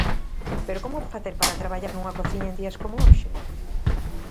Pero como facer para traballar nunha cociña en días como hoxe?